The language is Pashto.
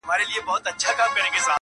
چي ډوب تللی وو د ژوند په اندېښنو کي-